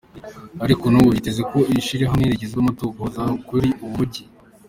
Ariko n'ubu vyitezwe ko iryo shirahamwe rigira amatohoza kuri uwo mugwi.